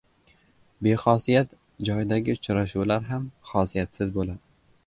• Bexosiyat joydagi uchrashuvlar ham xosiyatsiz bo‘ladi.